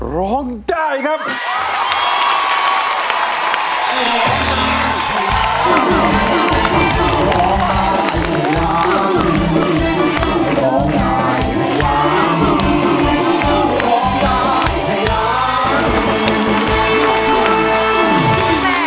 ร้องดาอย่างนั้น